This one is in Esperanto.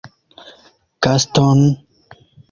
Gaston?